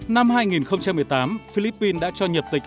năm hai nghìn một mươi tám philippines đã cho nhập tịch